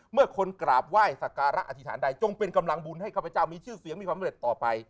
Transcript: เมื่อคนกราบไหว้สักการะอธิษฐานใดจงเป็นกำลังบุญให้ข้าพเจ้ามีชื่อเสียงมีความสำเร็จต่อไป